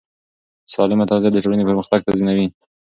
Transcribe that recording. سالمه تغذیه د ټولنې پرمختګ تضمینوي.